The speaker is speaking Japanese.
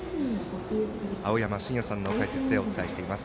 青山眞也さんの解説でお伝えしています。